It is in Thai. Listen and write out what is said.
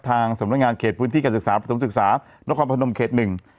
ทางสำนักงานเขตพื้นที่การศึกษาประถมศึกษานครพนมเขตหนึ่ง